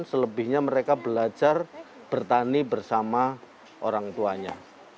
selebihnya mereka belajar bertani bersama orang tuanya